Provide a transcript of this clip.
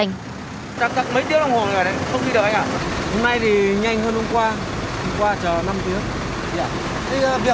hôm nay thì nhanh hơn hôm qua hôm qua chờ năm tiếng